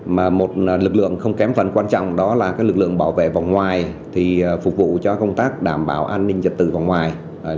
mà một lực lượng không kém phần quan trọng đó là lực lượng bảo vệ vòng ngoài thì phục vụ cho công tác đảm bảo an ninh trật tự vòng ngoài